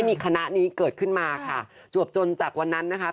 มีคณะนี้เกิดขึ้นมาค่ะจวบจนจากวันนั้นนะคะ